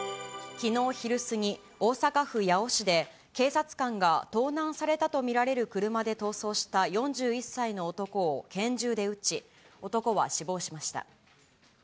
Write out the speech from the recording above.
きのう昼過ぎ、大阪府八尾市で、警察官が盗難されたと見られる車で逃走した４１歳の男を拳銃で撃ち、男は死亡しました。